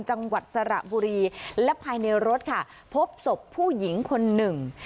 จังหวัดสระบุรีและภายในรถค่ะพบศพผู้หญิงคนหนึ่ง